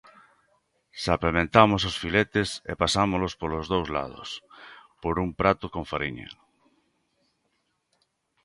Salpementamos os filetes e pasámolos polos dous lados por un prato con fariña.